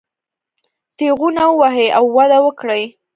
تېغونه ووهي او وده وکړي.